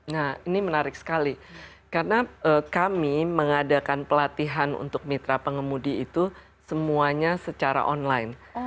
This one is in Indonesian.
nah ini menarik sekali karena kami mengadakan pelatihan untuk mitra pengemudi itu semuanya secara online